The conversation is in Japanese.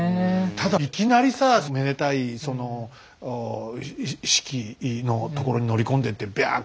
ただいきなりさめでたい式のところに乗り込んでってびゃっ！